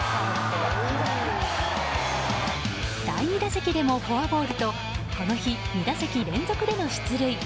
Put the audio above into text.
第２打席でもフォアボールとこの日、２打席連続での出塁。